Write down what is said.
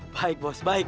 baik bos baik baik